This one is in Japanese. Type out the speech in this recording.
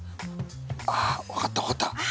あ！分かった分かった。